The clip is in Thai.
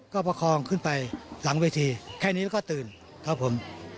ก็ประคองขึ้นไปหลังเวทีแค่นี้แล้วก็ตื่นครับผม